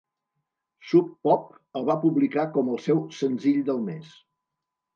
Sub Pop el va publicar com el seu "Senzill del mes".